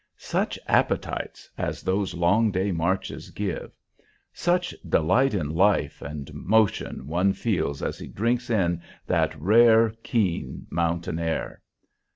Such appetites as those long day marches give! Such delight in life and motion one feels as he drinks in that rare, keen mountain air!